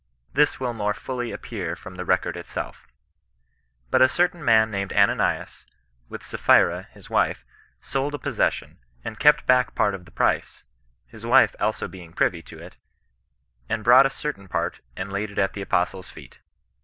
This will more fully appear from the record it self. ''But a certain man named Ananias, with Sap phira, his wife, sold a possession, and kept back part of the price, his wife also beins privy to it, and brought a certain part, and laid it at the apostles* feet.